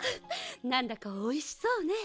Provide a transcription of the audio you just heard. なんだかおいしそうね。